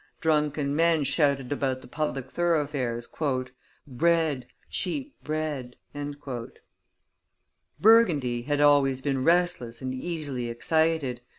Drunken men shouted about the public thoroughfares, "Bread! cheap bread!" Burgundy had always been restless and easily excited.